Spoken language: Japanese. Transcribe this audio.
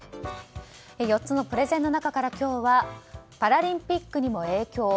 ４つのプレゼンの中から今日はパラリンピックにも影響